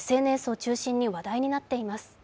ＳＮＳを中心に話題になっています。